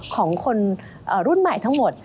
ของคนรุ่นใหม่ทั้งหมด